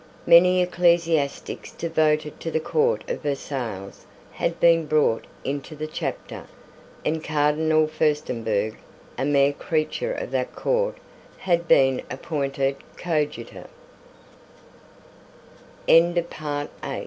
Many ecclesiastics devoted to the court of Versailles had been brought into the Chapter; and Cardinal Furstemburg, a mere creature of that court, had been a